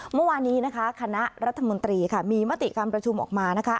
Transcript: เมื่อวานนี้นะคะคณะรัฐมนตรีค่ะมีมติการประชุมออกมานะคะ